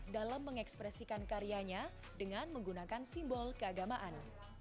dalam mengekspresikan karyanya dengan menggunakan simbol keagamaan